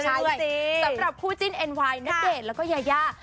ใช่สำหรับคู่จิ้นเอ็นไวน์ณเดชน์แล้วก็ยายา